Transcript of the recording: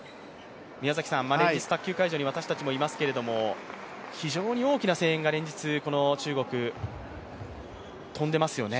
連日、卓球会場に私たちもいますが非常に大きな声援が連日この中国、飛んでますよね。